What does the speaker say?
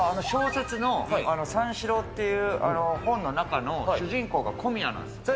小説の三四郎っていう本の中の主人公が小宮なんです。